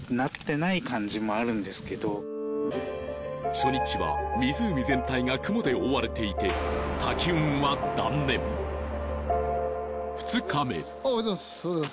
初日は湖全体が雲で覆われていて滝雲は断念２日目あっおはようございます